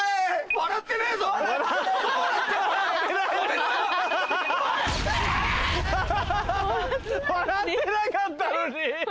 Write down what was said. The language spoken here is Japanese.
笑ってなかったのに。